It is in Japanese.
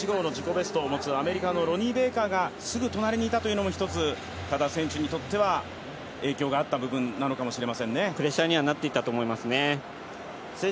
９秒８５の自己ベストを持つアメリカのロニー・ベイカーがすぐ隣にいたというのも多田選手にとっては影響があった部分なのかもしれません。